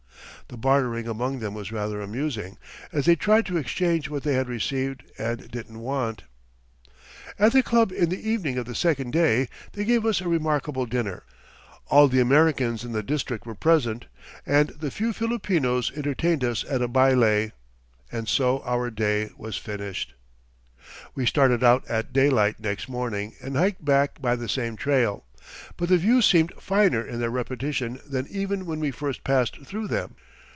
The bartering among them was rather amusing, as they tried to exchange what they had received and didn't want. [Illustration: WEAPONS OF THE WILD TRIBES.] At the club in the evening of the second day, they gave us a remarkable dinner; all the Americans in the district were present; and the few Filipinos entertained us at a baile, and so our day was finished. We started out at daylight next morning and hiked back by the same trail; but the views seemed finer in their repetition than even when we first passed through them.